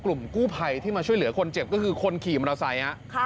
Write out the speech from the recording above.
กลุ่มกู้ภัยที่มาช่วยเหลือคนเจ็บก็คือคนขี่มอเตอร์ไซค์